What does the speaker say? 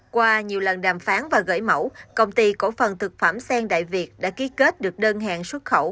qua nhiều lần đàm phán và gửi mẫu công ty cổ phần thực phẩm sen đại việt đã ký kết được đơn hàng xuất khẩu